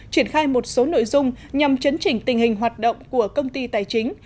triển khai một số nội dung nhằm chấn chỉnh tình hình hoạt động của công ty tài chính